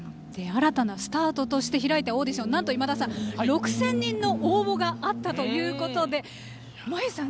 新たなスタートとして開いたオーディションなんと６０００人の応募があったということでＭＡＹＵさん